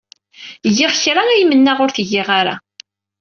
Giɣ kra ay mennaɣ ur tgiɣ ara.